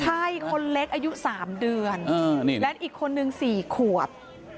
ใช่คนเล็กอายุ๓เดือนและอีกคนนึง๔ขวบ